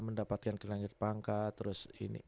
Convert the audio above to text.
mendapatkan kinerja pangkat terus ini